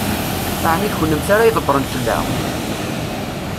Ɛni d kennemti ara ydebbṛen fell-aɣ?